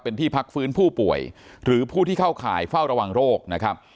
เป็นที่พักฟื้นผู้ป่วยหรือผู้ที่เข้าข่ายเฝ้าระวังโรคนะครับ